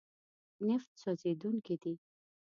نفت سوځېدونکی دی.